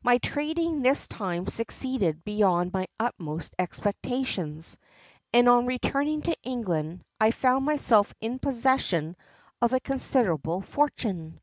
My trading this time succeeded beyond my utmost expectations, and on returning to England, I found myself in possession of a considerable fortune.